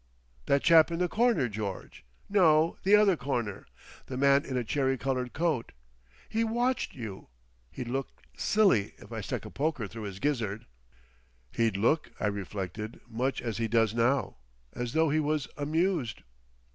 "That chap in the corner, George. No! the other corner! The man in a cherry coloured coat. He watched you! He'd look silly if I stuck a poker through his Gizzard!" "He'd look," I reflected, "much as he does now. As though he was amused."